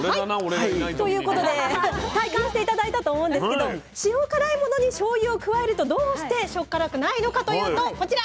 はいということで体感して頂いたと思うんですけど塩辛いものにしょうゆを加えるとどうして塩辛くないのかというとこちら。